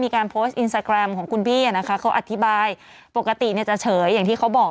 มีการโพสต์อินสตาแกรมของคุณพี่อ่ะนะคะเขาอธิบายปกติเนี่ยจะเฉยอย่างที่เขาบอก